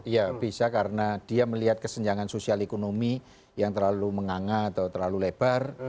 ya bisa karena dia melihat kesenjangan sosial ekonomi yang terlalu menganga atau terlalu lebar